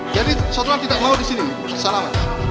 jadi saudara tidak mau di sini salam